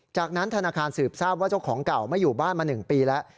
จากนั้นธนาคารสืบทราบว่าเจ้าของเก่าไม่อยู่บ้านมา๑ปีแล้ว